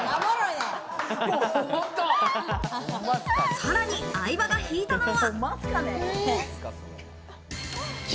さらに相葉が引いたのは。